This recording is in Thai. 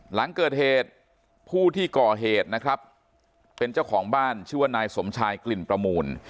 หลังเกิดเหตุผู้ที่ก่อเหตุนะครับเป็นเจ้าของบ้านชื่อว่านายสมชายกลิ่นประมูล